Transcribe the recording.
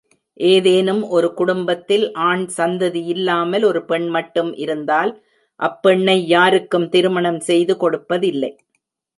ஏதேனும் ஒரு குடும்பத்தில் ஆண் சந்ததியில்லாமல் ஒரு பெண் மட்டும் இருந்தால் அப்பெண்ணை யாருக்கும் திருமணம் செய்து கொடுப்பதில்லை.